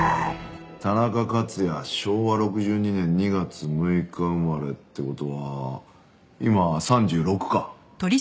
田中克也昭和６２年２月６日生まれって事は今３６か。